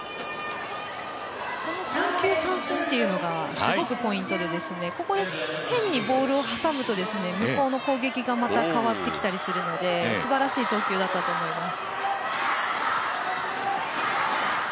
この三球三振というのがすごくポイントでここで、変にボールを挟むと向こうの攻撃がまた変わってきたりするのですばらしい投球だと思います。